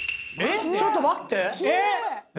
ちょっと待って！